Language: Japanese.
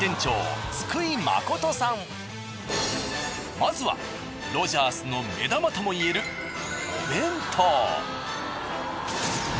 まずはロヂャースの目玉ともいえるお弁当。